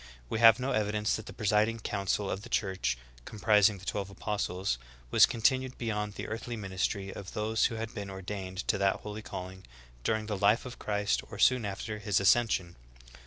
'^ We have no evidence that the presiding council of the Church, comprising the twelve apostles, was continued beyond the earthly ministry of those who had been ordained to that holy calling during the life of Christ or soon after His ascension.